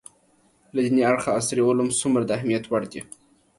له دیني اړخه عصري علوم څومره د اهمیت وړ دي